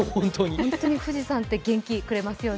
本当に富士山って元気をくれますよね。